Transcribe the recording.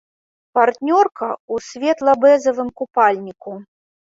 Партнёрка ў светла-бэзавым купальніку.